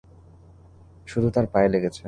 শুধু তার পায়ে লেগেছে!